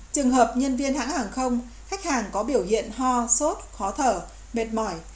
trường hợp nhân viên hãng hàng không khách hàng có biểu hiện ho sốt khó thở mệt mỏi